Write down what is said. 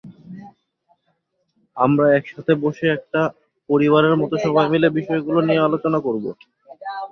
আমরা একসাথে বসে একটা পরিবারের মতো সবাই মিলে বিষয়গুলো নিয়ে আলোচনা করব!